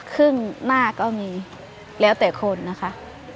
ครึ่งหน้าก็มีแล้วแต่คนนะคะ